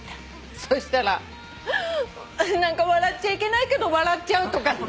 そしたら「笑っちゃいけないけど笑っちゃう」とかって。